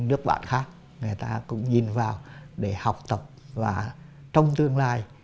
nước bạn khác người ta cũng nhìn vào để học tập và trong tương lai